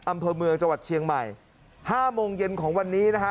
อำเภอเมืองจังหวัดเชียงใหม่ห้าโมงเย็นของวันนี้นะฮะ